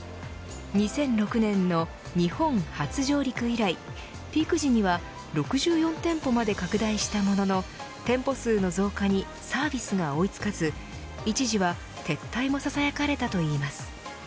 ２００６年の日本初上陸以来ピーク時には６４店舗まで拡大したものの店舗数の増加にサービスが追い付かず一時は撤退もささやかれたといいます。